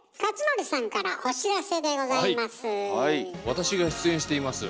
私が出演しています